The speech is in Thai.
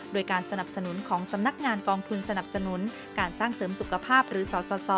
โดยการสนับสนุนของสำนักงานกองทุนสนับสนุนการสร้างเสริมสุขภาพหรือสส